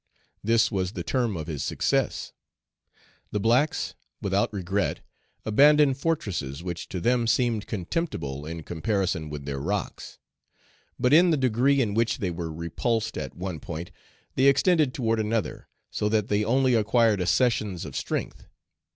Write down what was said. This was the term of his success. The blacks, without regret, abandoned fortresses which to them seemed contemptible in comparison with their rocks. But in the degree in which they were repulsed at one point, they extended toward another, so that they only acquired accessions of strength.